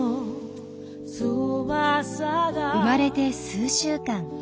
生まれて数週間。